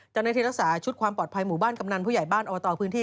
เจ้าหน้าที่รักษาชุดความปลอดภัยหมู่บ้านกำนันผู้ใหญ่บ้านอบตพื้นที่